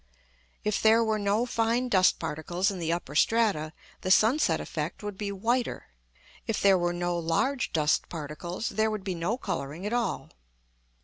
If there were no fine dust particles in the upper strata, the sunset effect would be whiter; if there were no large dust particles, there would be no colouring at all.